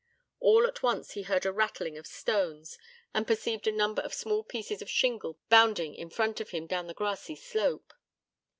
All at once he heard a rattling of stones, and perceived a number of small pieces of shingle bounding in front of him down the grassy slope.